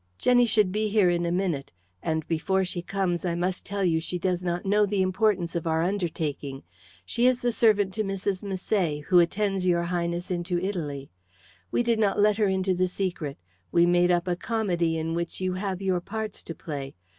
"Jenny should be here in a minute, and before she comes I must tell you she does not know the importance of our undertaking. She is the servant to Mrs. Misset, who attends your Highness into Italy. We did not let her into the secret. We made up a comedy in which you have your parts to play.